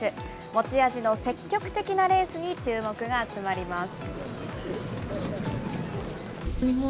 持ち味の積極的なレースに注目が集まります。